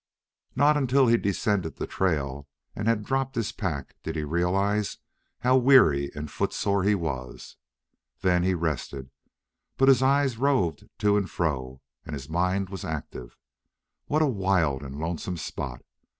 Not till he had descended the trail and had dropped his pack did he realize how weary and footsore he was. Then he rested. But his eyes roved to and fro, and his mind was active. What a wild and lonesome spot!